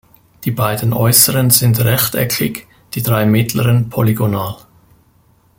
Die beiden äußeren sind rechteckig, die drei mittleren polygonal.